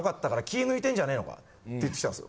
って言ってきたんですよ。